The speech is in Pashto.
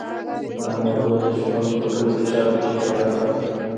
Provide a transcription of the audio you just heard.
دا موضوع د ژوند په ټولو چارو کې په یاد ساتئ